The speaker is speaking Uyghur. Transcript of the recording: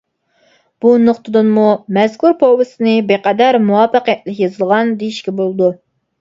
بۇ نۇقتىدىنمۇ مەزكۇر پوۋېستنى بىرقەدەر مۇۋەپپەقىيەتلىك يېزىلغان، دېيىشكە بولىدۇ.